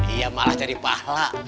iya malah jadi pahla